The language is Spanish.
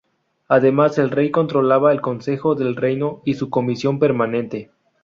Además el rey controlaba el Consejo del Reino y su Comisión Permanente.